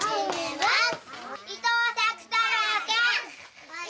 はい。